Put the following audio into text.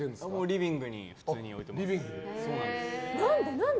リビングに普通に置いてます。